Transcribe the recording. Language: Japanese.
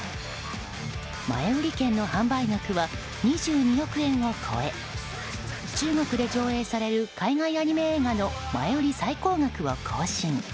前売り券の販売額は２２億円を超え中国で上映される海外アニメ映画の前売り最高額を更新。